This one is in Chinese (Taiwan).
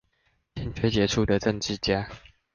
欠缺傑出的政治家